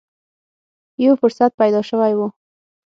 یو فرصت پیدا شوې و